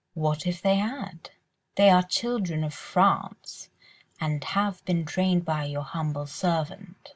"What if they had? They are children of France, and have been trained by your humble servant.